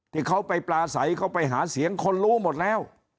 ที่เขาไปปลาใสเขาไปหาเสียงคนรู้หมดแล้ว